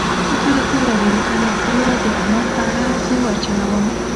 که له کوره وي که له پوره د احمد اړه زه ورچلوم.